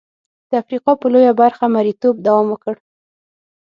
د افریقا په لویه برخه مریتوب دوام وکړ.